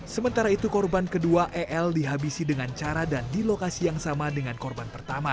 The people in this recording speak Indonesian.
sementara itu korban kedua el dihabisi dengan cara dan di lokasi yang sama dengan korban pertama